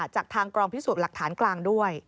จากทางกองพิสูจน์หลักฐานกลางด้วย